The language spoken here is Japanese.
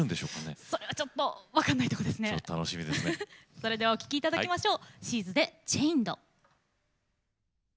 それではお聴きいただきましょう。